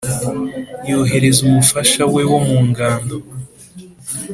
yohereza umufasha we wo mu ngando,